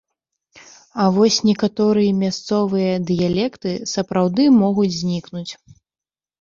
А вось некаторыя мясцовыя дыялекты сапраўды могуць знікнуць.